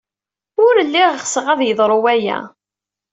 Ur lliɣ ɣseɣ ad yeḍru waya.